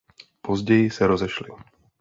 Později se rozešli.